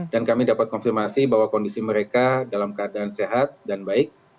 dan kami dapat konfirmasi bahwa kondisi mereka dalam keadaan sehat dan baik